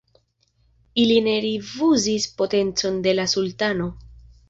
Ili ne rifuzis potencon de la sultano.